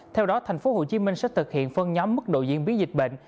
theo đó thành phố hồ chí minh sẽ thực hiện phân nhóm mức độ diễn biến dịch bệnh